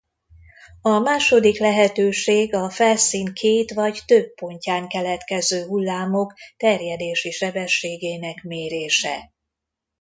A második lehetőség a felszín két vagy több pontján keletkező hullámok terjedési sebességének mérése.